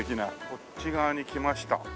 こっち側に来ました。